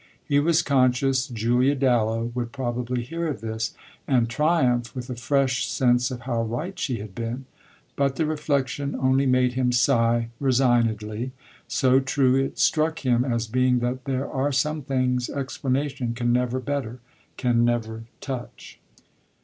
He was conscious Julia Dallow would probably hear of this and triumph with a fresh sense of how right she had been; but the reflexion only made him sigh resignedly, so true it struck him as being that there are some things explanation can never better, can never touch.